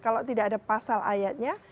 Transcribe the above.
kalau tidak ada pasal ayatnya